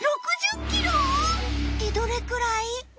ってどれくらい？